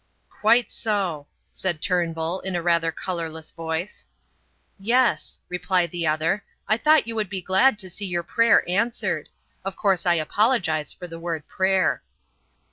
"Quite so," said Turnbull, in a rather colourless voice. "Yes," replied the other. "I thought you would be glad to see your prayer answered. Of course I apologize for the word prayer."